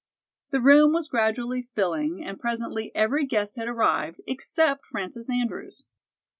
The room was gradually filling, and presently every guest had arrived, except Frances Andrews.